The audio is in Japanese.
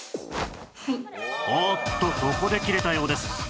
おっとここで切れたようです